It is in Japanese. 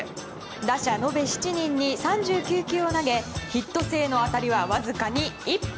打者延べ７人に３９球を投げヒット性の当たりはわずか１本。